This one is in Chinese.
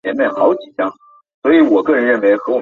匍匐狸藻为狸藻属食虫植物。